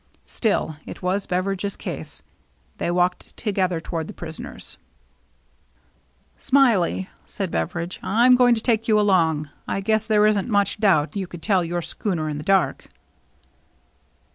^ Still, it was Beveridge's case. They walked together toward the prisoners. THE CHASE BEGINS 239 " Smiley," said Beveridge, " Tm going to take you along. I guess there isn't much doubt you could tell your schooner in the dark?"